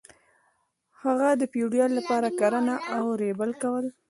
هغه د فیوډال لپاره کرنه او ریبل کول.